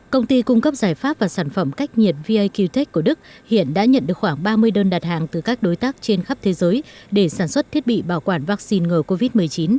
công ty cung cấp giải pháp và sản phẩm cách nhiệt vaqtech của đức hiện đã nhận được khoảng ba mươi đơn đặt hàng từ các đối tác trên khắp thế giới để sản xuất thiết bị bảo quản vaccine ngừa covid một mươi chín